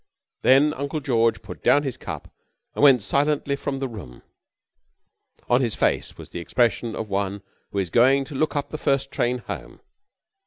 Then Uncle George put down his cup and went silently from the room. On his face was the expression of one who is going to look up the first train home.